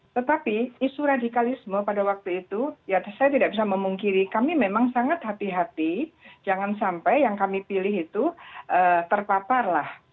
tetapi isu radikalisme pada waktu itu ya saya tidak bisa memungkiri kami memang sangat hati hati jangan sampai yang kami pilih itu terpapar lah